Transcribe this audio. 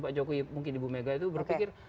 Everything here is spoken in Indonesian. pak jokowi mungkin ibu mega itu berpikir